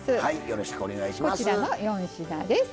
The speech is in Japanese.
よろしくお願いします。